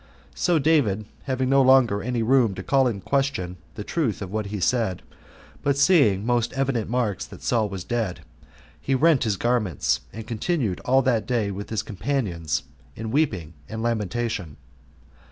So David having no longer any room to call in question the truth of what he said, but seeing most evident marks that Saul was dead, he rent his garments, and continued all that day with his companions in weeping and lamentation.